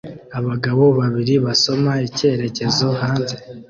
Abagabo babiri basoma icyerekezo hanze